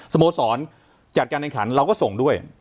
สโมสรพ๒๐๒๕จัดการแ๕๒เราก็ส่งด้วย